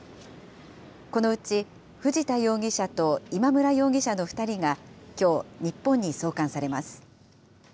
このうち藤田容疑者と今村容疑者の２人がきょう、日本に送還されます。